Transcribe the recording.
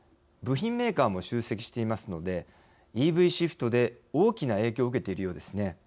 部品メーカーも集積していますのでＥＶシフトで大きな影響を受けているようですね。